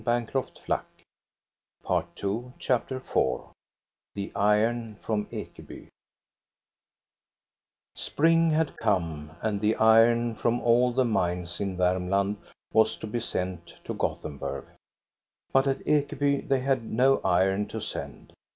28o THE STORY OF GOSTA BERLING CHAPTER IV THE IRON FROM EKEBY Spring had come, and the iron from all the mines in Varmland was to be sent to Gothenburg. But at Ekeby they had no iron to send.